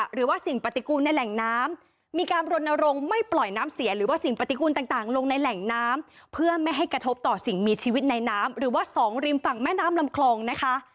หรือว่า๒ริมฝั่งแม่น้ำลำคลองนะคะ